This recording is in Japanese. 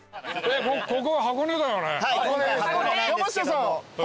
ここは箱根だよね。